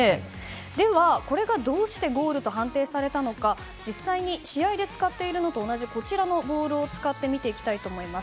では、これがどうしてゴールと判定されたのか、実際に試合で使っているのと同じボールを使って見ていきたいと思います。